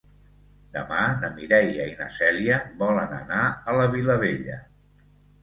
Demà na Mireia i na Cèlia volen anar a la Vilavella.